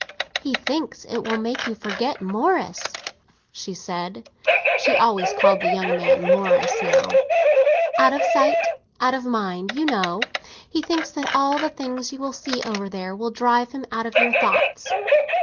"He thinks it will make you forget Morris," she said (she always called the young man "Morris" now); "out of sight, out of mind, you know. He thinks that all the things you will see over there will drive him out of your thoughts."